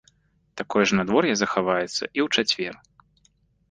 Такое ж надвор'е захаваецца і ў чацвер.